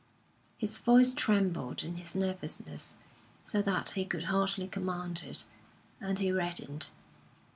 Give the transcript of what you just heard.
His voice trembled in his nervousness, so that he could hardly command it, and he reddened.